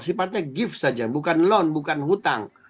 sifatnya gift saja bukan loan bukan hutang